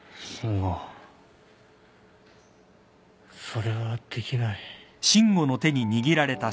それはできない。